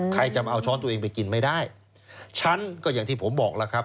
ใครจะมาเอาช้อนตัวเองไปกินไม่ได้ฉันก็อย่างที่ผมบอกแล้วครับ